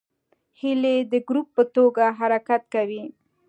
هیلۍ د ګروپ په توګه حرکت کوي